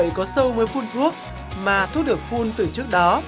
bệnh có sâu mới phun thuốc mà thuốc được phun từ trước đó